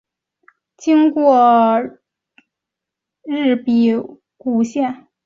丸之内线与千代田线的转乘必须经过日比谷线月台。